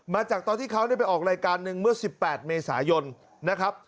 มาจากตอนที่เขาไปออกรายการหนึ่งเมื่อ๑๘เมษายนนะครับ